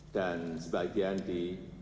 dan sebagian di